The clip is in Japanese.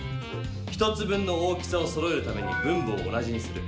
１つ分の大きさをそろえるために分母を同じにする。